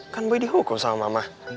kan gue dihukum sama mama